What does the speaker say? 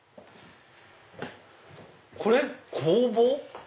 これ工房？